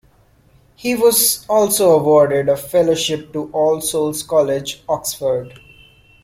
He was also awarded a fellowship to All Souls College, Oxford.